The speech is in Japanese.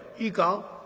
いいか？